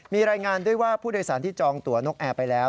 มีรายงานด้วยว่าผู้โดยสารที่จองตัวนกแอร์ไปแล้ว